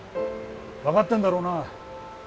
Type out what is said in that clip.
分かってんだろうな。